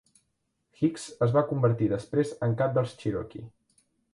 Hicks es va convertir després en cap dels Cherokee.